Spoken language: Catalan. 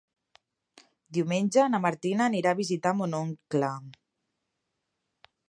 Diumenge na Martina anirà a visitar mon oncle.